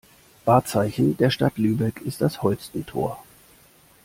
Wahrzeichen der Stadt Lübeck ist das Holstentor.